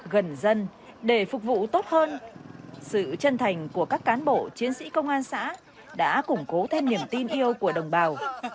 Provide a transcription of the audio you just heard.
gần dân để phục vụ tốt hơn sự chân thành của các cán bộ chiến sĩ công an xã đã củng cố thêm niềm tin yêu của đồng bào